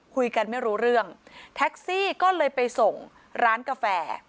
คุยกันไม่รู้เรื่องแท็กซี่ก็เลยไปส่งร้านกาแฟ